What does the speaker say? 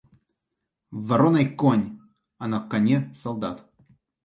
Вороной конь, а на коне солдат!